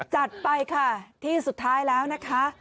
จัดไปค่ะที่สุดท้ายแล้วนะคะ